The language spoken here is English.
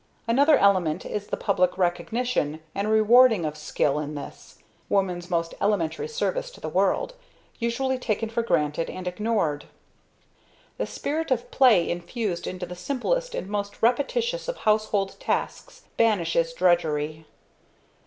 Another element is the public recognition, and rewarding of skill in this, woman's most elementary service to the world, usually taken for granted and ignored. The spirit of play infused into the simplest and most repetitious of household tasks banishes drudgery.